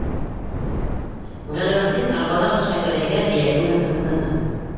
- Ғәләүетдин арбалағы Шәңгәрәйгә эйәге менән ымланы.